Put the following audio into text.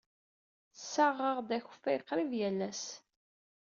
Ssaɣeɣ-d akeffay qrib yal ass.